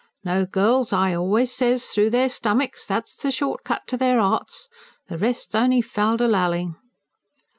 No, girls, I always says, through their stomachs, that's the shortcut to their 'earts. The rest's on'y fal de lal ing."